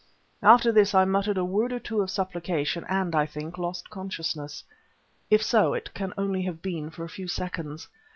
After this I muttered a word or two of supplication, and, I think, lost consciousness. If so, it can only have been for a few seconds.